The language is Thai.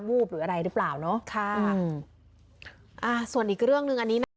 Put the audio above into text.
วูบหรืออะไรหรือเปล่าเนอะค่ะอืมอ่าส่วนอีกเรื่องหนึ่งอันนี้นะคะ